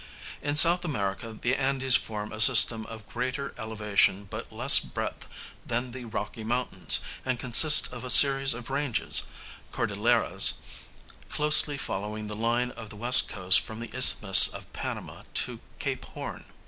In S. America the Andes form a system of greater elevation but less breadth than the Rocky Mountains, and consist of a series of ranges (cordilleras) closely following the line of the west coast from the Isthmus of Panama to Cape Horn.